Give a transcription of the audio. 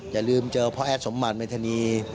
อย่าลืมเจอพ่อแอดสมบัติเมธานี